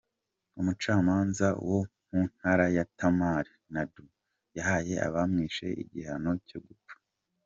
Umucamanza wo mu ntara ya Tamil Nadu, yahaye abamwishe agihano cyo gupfa.